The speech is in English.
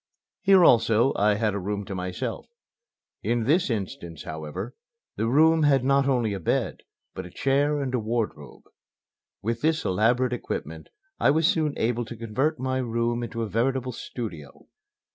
Here also I had a room to myself; in this instance, however, the room had not only a bed, but a chair and a wardrobe. With this elaborate equipment I was soon able to convert my room into a veritable studio.